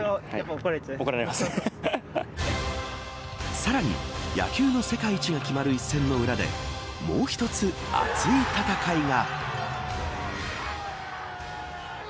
さらに、野球の世界一が決まる一戦の裏でもう一つ、熱い戦いが。